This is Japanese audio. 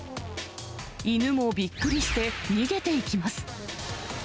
犬もびっくりして、逃げていきます。